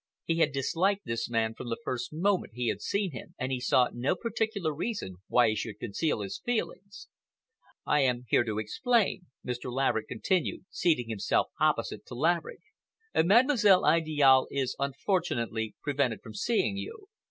He had disliked this man from the first moment he had seen him, and he saw no particular reason why he should conceal his feelings. "I am here to explain," Mr. Lassen continued, seating himself opposite to Laverick. "Mademoiselle Idiale is unfortunately prevented from seeing you.